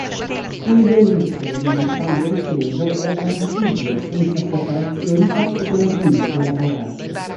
Il veicolo, nonostante il peso, è anfibio senza preparazioni particolarmente elaborate.